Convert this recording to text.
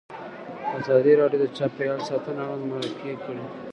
ازادي راډیو د چاپیریال ساتنه اړوند مرکې کړي.